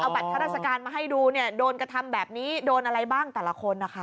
บัตรข้าราชการมาให้ดูเนี่ยโดนกระทำแบบนี้โดนอะไรบ้างแต่ละคนนะคะ